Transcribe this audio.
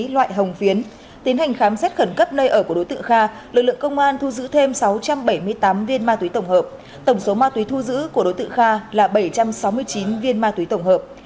tổng số ma túy thu giữ của đối tượng kha là bảy trăm sáu mươi chín viên ma túy tổng hợp